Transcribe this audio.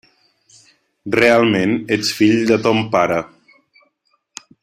Realment ets fill de ton pare.